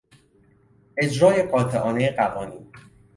اجرای قاطعانهی قوانین